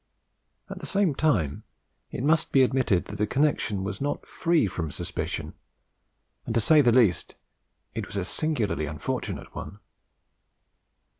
At the same time it must be admitted that the connexion was not free from suspicion, and, to say the least, it was a singularly unfortunate one.